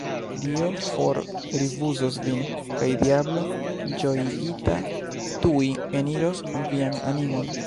Dio forrifuzos vin, kaj diablo ĝojigita tuj eniros vian animon!